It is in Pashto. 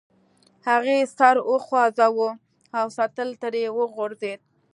هغې سر وخوزاوه او سطل ترې وغورځید.